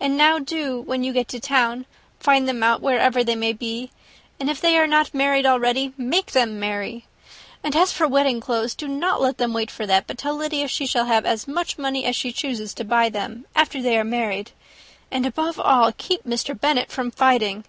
And now do, when you get to town, find them out, wherever they may be; and if they are not married already, make them marry. And as for wedding clothes, do not let them wait for that, but tell Lydia she shall have as much money as she chooses to buy them, after they are married. And, above all things, keep Mr. Bennet from fighting.